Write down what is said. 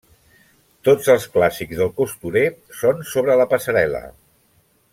Tots els clàssics del costurer són sobre la passarel·la.